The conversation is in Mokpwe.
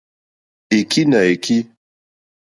Èkí nà èkí.